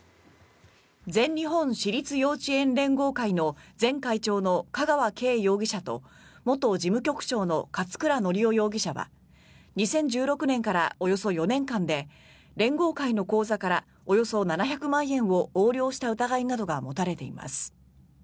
全日本私立幼稚園連合会の前会長の香川敬容疑者と元事務局長の勝倉教雄容疑者は２０１６年からおよそ４年間で連合会の口座からおよそ７００万円を横領した疑いなどが持たれています。